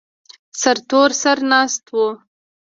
سرتور سر ناست و.